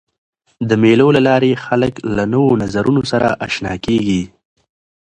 د مېلو له لاري خلک له نوو نظرونو سره آشنا کيږي.